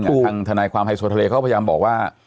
ทางทนายความไฮโซทะเลเขาพยายามบอกว่า